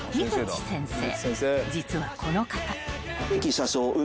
［実はこの方］